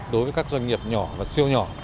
đối với các doanh nghiệp nhỏ và siêu nhỏ